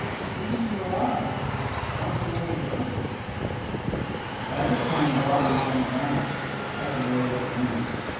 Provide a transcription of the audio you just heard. When did you arrive? Aren't you rather early?" By this time the robin was on the ground, pecking away at the grain.